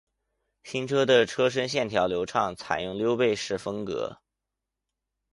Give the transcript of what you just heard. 新车的车身线条流畅，采用溜背式风格